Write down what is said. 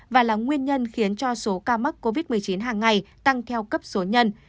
và là nguyên nhân khiến cho số ca mắc covid một mươi chín hàng ngày tăng theo cấp số nhân